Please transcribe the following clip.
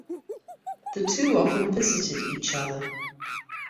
The two often visited each other.